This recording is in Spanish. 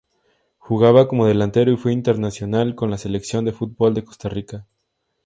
Jugaba como delantero y fue internacional con la selección de fútbol de Costa Rica.